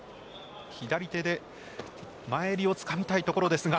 左手で前襟をつかみたいところですが。